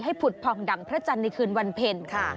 ผุดผ่องดั่งพระจันทร์ในคืนวันเพ็ญค่ะ